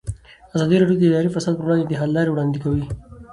ازادي راډیو د اداري فساد پر وړاندې د حل لارې وړاندې کړي.